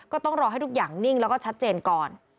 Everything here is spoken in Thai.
ก็ต้องรอให้ทุกอย่างนิ่งแล้วก็ชัดเจนก่อน